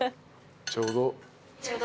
ちょうど。